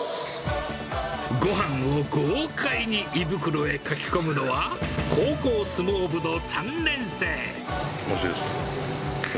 ごはんを豪快に胃袋へかき込おいしいです。